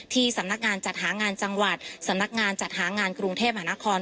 สำนักงานจัดหางานจังหวัดสำนักงานจัดหางานกรุงเทพมหานคร